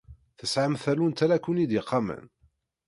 Tesɛam tallunt ara ken-id-iqamen?